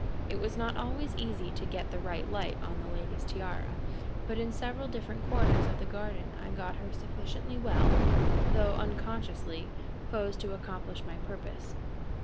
It was not always easy to get the right light on the lady's tiara, but in several different quarters of the garden I got her sufficiently well, though unconsciously, posed to accomplish my purpose.